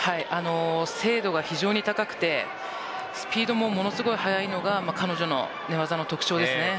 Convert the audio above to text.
精度が非常に高くてスピードもものすごい速いのが彼女の寝技の特徴です。